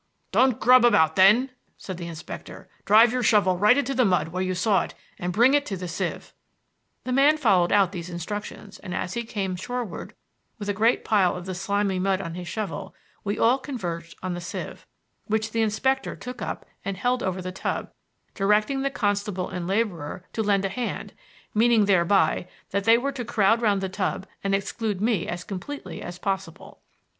"Don't grub about then," said the inspector. "Drive your shovel right into the mud where you saw it and bring it to the sieve." The man followed out these instructions, and as he came shoreward with a great pile of the slimy mud on his shovel we all converged on the sieve, which the inspector took up and held over the tub, directing the constable and laborer to "lend a hand," meaning thereby that they were to crowd round the tub and exclude me as completely as possible.